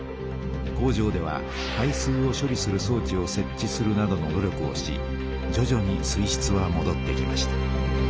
工場では排水を処理するそう置をせっ置するなどの努力をしじょじょに水しつはもどってきました。